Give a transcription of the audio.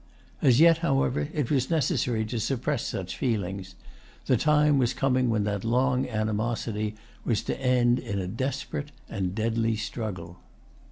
As yet, however, it was necessary to suppress such feelings. The time was coming when that long animosity was to end in a desperate and deadly struggle.